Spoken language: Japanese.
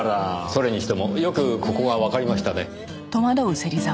それにしてもよくここがわかりましたね。